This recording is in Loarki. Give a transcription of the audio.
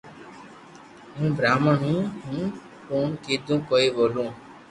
ھون براھمڻ ھون ھون ڪوڻ ڪيدو ڪوئي ٻولو